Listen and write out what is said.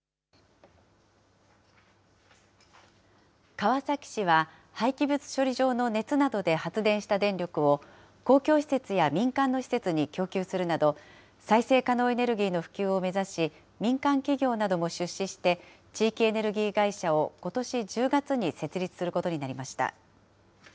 川崎市は、廃棄物処理場の熱などで発電した電力を、公共施設や民間の施設に供給するなど、再生可能エネルギーの普及を目指し、民間企業なども出資して、地域エネルギー会社をことし１０月に設立することになりました。